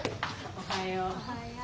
おはよう。